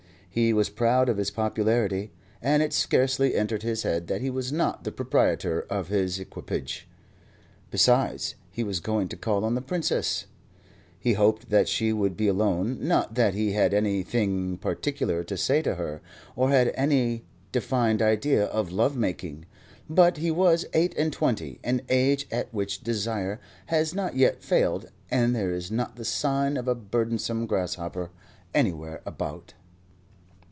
He was proud of his popularity, and it scarcely entered his head that he was not the proprietor of his equipage. Besides, he was going to call on the Princess. He hoped that she would be alone: not that he had anything particular to say to her, or had any defined idea of love making; but he was eight and twenty, an age at which desire has not yet failed and there is not the sign of a burdensome grasshopper anywhere about.